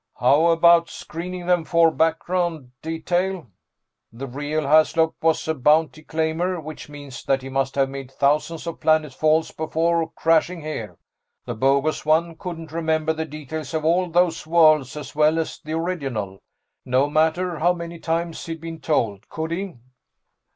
"How about screening them for background detail? The real Haslop was a bounty claimer, which means that he must have made thousands of planetfalls before crashing here. The bogus one couldn't remember the details of all those worlds as well as the original, no matter how many times he'd been told, could he?"